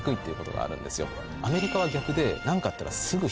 アメリカは逆で何かあったらすぐ。